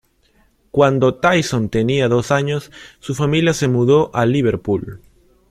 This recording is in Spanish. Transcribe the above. Cuando Tyson tenía dos años su familia se mudó a Liverpool.